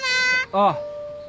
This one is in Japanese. ああ。